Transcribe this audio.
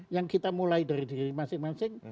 yang kita mulai dari diri masing masing